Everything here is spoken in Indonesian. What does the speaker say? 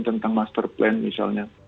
tentang master plan misalnya